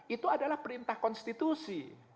itu adalah perintah konstitusi